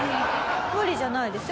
無理じゃないですよ。